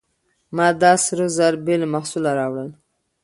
ما دا سره زر بې له محصوله راوړل.